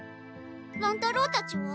乱太郎たちは？